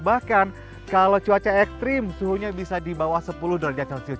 bahkan kalau cuaca ekstrim suhunya bisa di bawah sepuluh derajat celcius